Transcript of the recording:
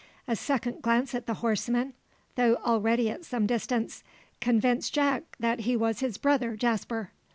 A second glance at the horseman, though already at some distance, convinced Jack that he was his brother Jasper.